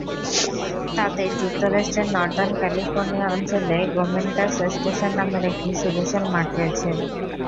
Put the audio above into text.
তাঁদের যুক্তরাষ্ট্রের Northern California অঞ্চলে গোমেন্টাম স্টেশন নামের একটি সুবিশাল মাঠ রয়েছে।